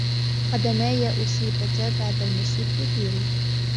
قدمايا أصيبتا بعد المشى الكثير.